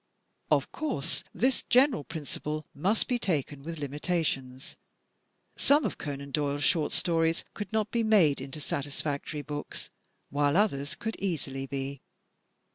Of course this general principle must be taken with limita tions. Some of Conan Doyle's short stories could not be made into satisfactory books, while others could easily be.